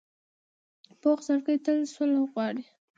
پوخ زړګی تل صلح غواړي